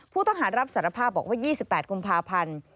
ผู้ต้องหารับสารภาพบอกว่า๒๘กุมภาพันธ์